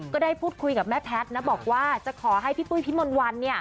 ก็ได้พูดคุยกับแม่แพทย์นะบอกว่าจะขอให้พี่ปุ้ยพี่มนต์วัน